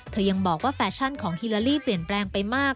ยังบอกว่าแฟชั่นของฮิลาลีเปลี่ยนแปลงไปมาก